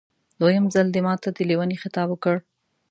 دویم ځل دې ماته د لېوني خطاب وکړ.